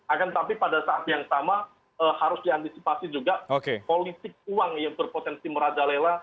akan tetapi pada saat yang sama harus diantisipasi juga politik uang yang berpotensi merajalela